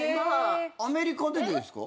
アメリカでですか？